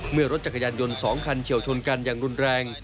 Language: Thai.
เมื่อรถจักรยานยนต์๒คันเฉียวชนกันอย่างรุนแรง